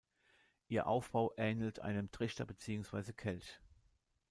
Ihr Aufbau ähnelt einem Trichter beziehungsweise Kelch.